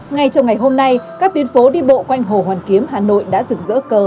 ngay trong ngày hôm nay các tuyến phố đi bộ quanh hồ hoàn kiếm hà nội đã rực rỡ cờ